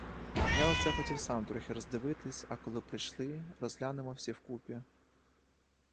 Я оце хотів сам трохи роздивитись, а коли прийшли, розглянемо всі вкупі.